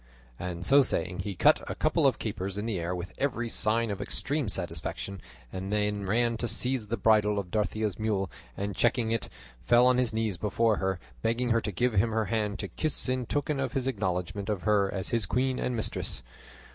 And so saying he cut a couple of capers in the air with every sign of extreme satisfaction, and then ran to seize the bridle of Dorothea's mule, and checking it fell on his knees before her, begging her to give him her hand to kiss in token of his acknowledgment of her as his queen and mistress.